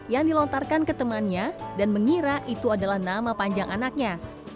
yang dilontarkan ke temannya dan mengira itu adalah nama panjang anaknya